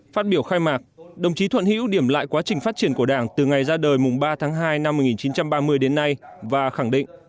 phát biểu khai mạc đồng chí thuận hữu điểm lại quá trình phát triển của đảng từ ngày ra đời mùng ba tháng hai năm một nghìn chín trăm ba mươi đến nay và khẳng định